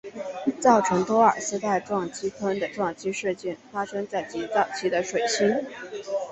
造成托尔斯泰撞击坑的撞击事件发生在极早期的水星。